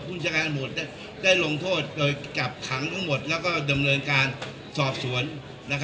ชาการหมดได้ลงโทษโดยจับขังทั้งหมดแล้วก็ดำเนินการสอบสวน